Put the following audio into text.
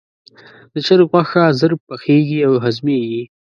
د چرګ غوښه ژر پخیږي او هضمېږي.